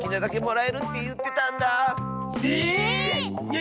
え？